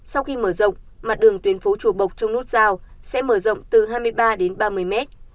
sau khi mở rộng mặt đường tuyến phố chùa bộc trong nút giao sẽ mở rộng từ hai mươi ba đến ba mươi mét